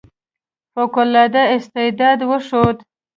فوق العاده استعداد وښود.